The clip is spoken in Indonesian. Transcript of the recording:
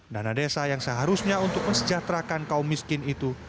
dana desa yang seharusnya untuk mensejahterakan kaum miskin itu